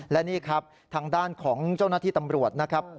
และนี่ครับทางด้านของเจ้าหน้าที่ตำรวจนะครับ